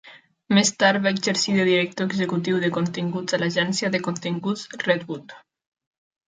Més tard va exercir de director executiu de continguts a l'agència de continguts Redwood.